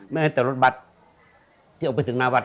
แม้แต่รถบัตรที่ออกไปถึงหน้าวัด